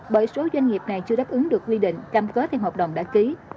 bởi số doanh nghiệp này chưa đáp ứng được quy định cam khớt thì hợp đồng đã ký